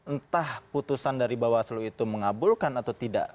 entah putusan dari bawah seluruh itu mengabulkan atau tidak